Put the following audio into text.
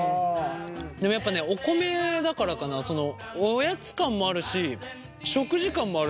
でもやっぱねお米だからかなおやつ感もあるし食事感もある。